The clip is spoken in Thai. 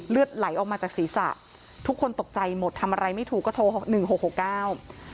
เลือดไหลออกมาจากศีรษะทุกคนตกใจหมดทำอะไรไม่ถูกก็โทรหกหนึ่งหกหกเก้า